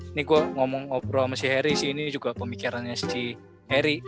ini gua ngomong ngobrol sama si harry sih ini juga pemikirannya si harry